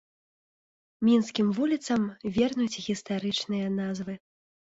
Мінскім вуліцам вернуць гістарычныя назвы.